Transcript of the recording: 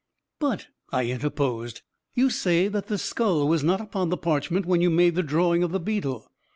"But," I interposed, "you say that the skill was not upon the parchment when you made the drawing of the beetle.